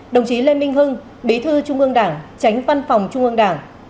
đồng chí lê minh hưng bí thư trung ương đảng tránh văn phòng trung ương đảng